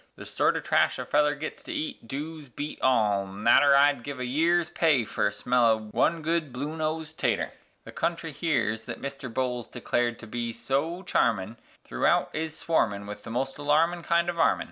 The sort o' trash a feller gits to eat doos beat all nater, I'd give a year's pay fer a smell o' one good blue nose tater; The country here thet Mister Bolles declared to be so charmin' Throughout is swarmin' with the most alarmin' kind o' varmin'.